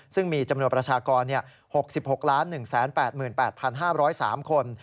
ซึ่งมีจำนวนประชากร๖๖๑๘๘๕๐๓คน